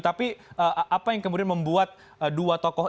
tapi apa yang kemudian membuat dua tokoh